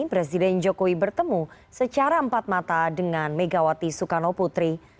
presiden jokowi bertemu secara empat mata dengan megawati soekarno putri